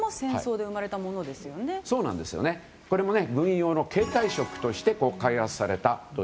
これも軍用の携帯食として開発されました。